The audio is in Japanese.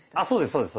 そうです。